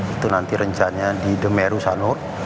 itu nanti rencanya di demeru sabu